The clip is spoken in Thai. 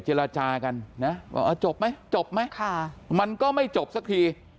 เจรจากันนะว่าจบไหมจบไหมมันก็ไม่จบสักที